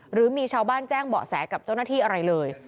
หรือมีชาวบ้านแจ้งเบาะแสกับเจ้าหน้าที่อะไรเลย